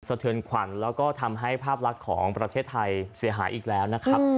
เทือนขวัญแล้วก็ทำให้ภาพลักษณ์ของประเทศไทยเสียหายอีกแล้วนะครับ